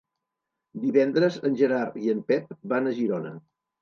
Divendres en Gerard i en Pep van a Girona.